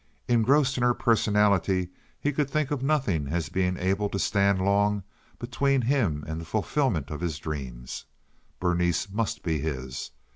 Engrossed in her personality, he could think of nothing as being able to stand long between him and the fulfilment of his dreams. Berenice must be his.